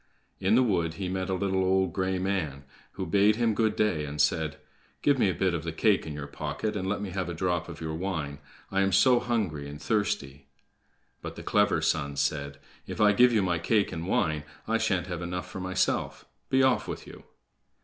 In the wood he met a little, old, gray man, who bade him good day, and said: "Give me a bit of the cake in your pocket, and let me have a drop of your wine. I am so hungry and thirsty." But the clever son said: "If I give you my cake and wine, I shan't have enough for myself. Be off with you!"